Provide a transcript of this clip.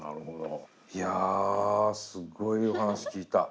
いやすごいお話聞いた。